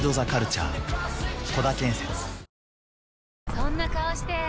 そんな顔して！